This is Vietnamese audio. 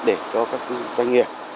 để cho các doanh nghiệp